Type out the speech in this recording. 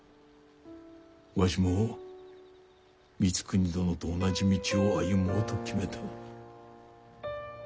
わしも光圀殿と同じ道を歩もうと決めた。